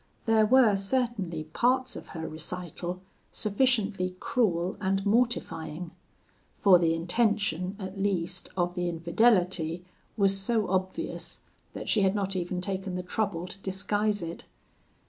There were certainly parts of her recital sufficiently cruel and mortifying; for the intention, at least, of the infidelity was so obvious, that she had not even taken the trouble to disguise it.